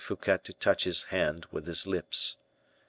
Fouquet to touch his hand with his lips.